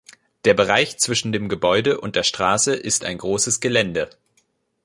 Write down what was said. Der Bereich zwischen dem Gebäude und der Straße ist ein großes Gelände.